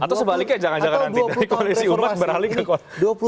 atau sebaliknya jangan jangan nanti dari koalisi umat beralih ke koalisi